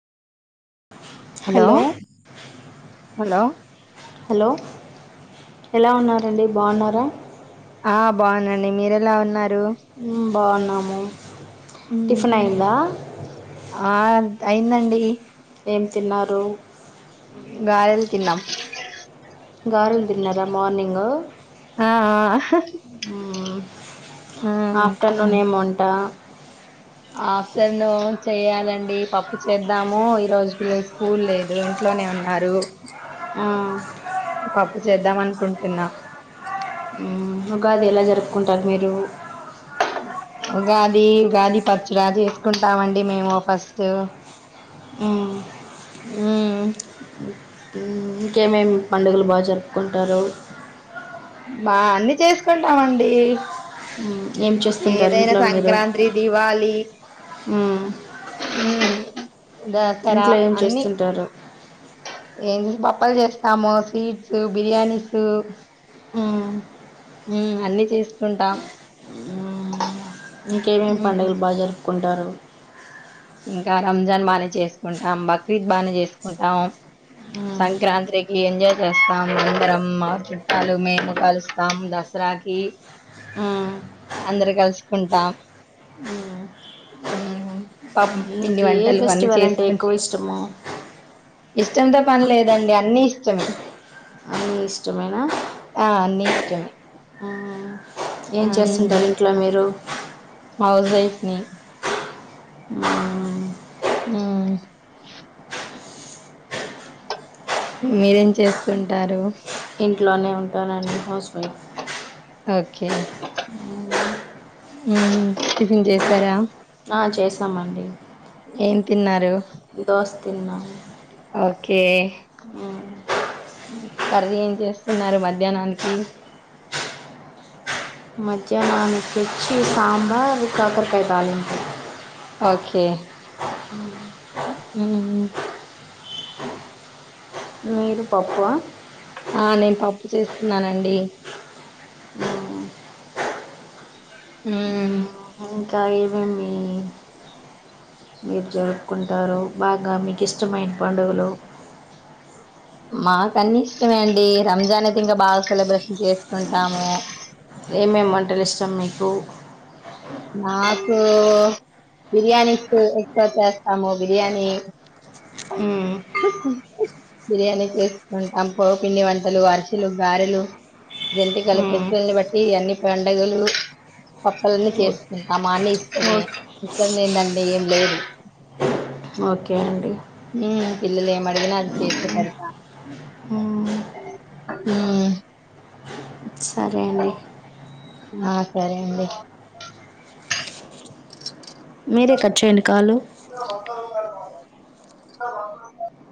Hello hello hello ఎలా ఉన్నారండి బాగున్నారా. ఆ బాగునండి మీరెలా ఉన్నారు. బాగున్నాము మ్మ్. టిఫిన్ అయిందా. ఆ అయిందండి. ఏం తిన్నారు. గారెలు తిన్నాం. గారెలు తిన్నార మార్నింగ్ ఆ ఆఫ్టర్నూన్ ఎమ్ వంట ఆఫ్టర్నూన్ చేయ్యాలండి పప్పు చేద్దాము ఈ రోజుకి స్కూల్ లేదు ఇంట్లోనే ఉన్నారు ఆ, పప్పు చేద్దాం అనుకుంటున్నా ఉగాది ఎలా జరుపుకుంటారు మీరు ఉగాది ఉగాది పచ్చురా చేసుకుంటామండి మేము ఫస్ట్ ఆ ము మ్, ఇంకేమేమి పండుగలు బాగా జరుపుకుంటారు మా అన్ని చేసుకుంటామండి మ్, ఏం చేస్తుంటారు ఏదైనా ఇంట్లో మీరు సంక్రాంతి దివాళి మ్, దసరా ఇంట్లో ఏం అన్ని చేస్తుంటారు ఏం బా అప్పలు చేస్తాము స్వీట్స్ బిర్యానీసు మ్మ్ అన్ని చేసుకుంటాం మ్, ఇంకేమేమి ఉమ్ పండుగలు బాగా జరుపుకుంటారు ఇంకా రంజాన్ బానే చేసుకుంటాం బక్రీద్ బానే చేసుకుంటాం మ్, సంక్రాంతికి ఎంజాయ్ చేస్తాం అందరం మా చుట్టాలు మేము కలుస్తాం దసరా నాకి ము అందరు కలుసుకుంటాం పాప పిండి నీకు ఏ వంటలు అన్నీ ఫెస్టివల్ అంటే చేసుకుంట ఎక్కువ ఇష్టము ఇష్టంతో పని లేదండి అన్నీ ఇష్టం అన్ని ఇష్టమేన అన్ని ఇష్టమే ఏం ఉమ్ చేస్తుంటారు ఇంట్లో మీరు హౌస్ వైఫ్ ని ఆ మీరేం చేస్తుంటారు ఇంట్లోనే ఉంటానండి హౌస్ వైఫ్ ఓకే టిఫిన్ చేసారా ఆ చేసామండి ఏం తిన్నారు దోస తిన్నాము ఓకే ఆ కర్రీ ఏం చేస్తున్నారు మధ్యాహ్నానికి మధ్యాహ్నానికి వచ్చి సాంబార్ కాకరకాయ దాలింపు ఓకే ఉమ్ మీరు పాప్ప ఆ నేను పప్పు చేస్తున్నానండి మ్మ్ గరిబ మీ [unintelligible] మీరు జరుపుకుంటారు బాగా మీకు ఇష్టమైన పండుగలు మాకన్ని ఇష్టమేండి రంజాన్ అయితే ఇంకా బాగా సెలబ్రేషన్ చేసుకుంటాము ఏమేమి వంటలు ఇష్టం మీకు నాకు బిర్యాణికి ఎక్క్ ఎక్వా చేస్తామో బిర్యాణి బిర్యానీ చేసుకుంటాం పో పండి వంటలు అరిచలు గారెలు జంతికలు ఫెస్టిల్ని బట్టి అన్ని పండుగలు పప్పాలని ఓకే. చేస్త ఇంత మానే ఇస్తేమే ఓకే ఇష్టం లేనే దంన్ని ఏం లేదు ఓకే అండి మ్మ్ పిల్లలు ఏం అడిగినా అది చేసి పెడత మ్మ్ సరే అండి ఆ సరే అండి మీరే కట్ చేయండి కాల్